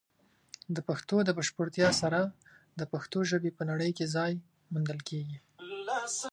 د پښتو د بشپړتیا سره، د پښتو ژبې په نړۍ کې ځای موندل کیږي.